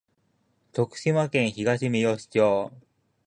徳島県東みよし町